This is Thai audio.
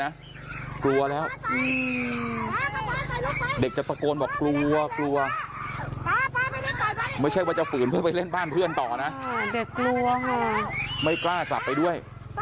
ไม่ได้นะกลัวแล้วเด็กจะประโยชน์บอกกลัวกลัวไม่ใช่ว่าจะฝืนไปเล่นบ้านเพื่อนต่อนะไม่กล้ากลับไปด้วย